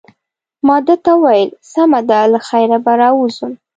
ما ده ته وویل: سمه ده، له خیره به راووځم.